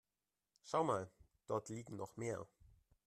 Schau mal, dort liegen noch mehr.